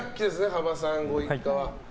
幅さんご一家は。